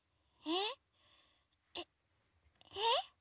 えっえっ？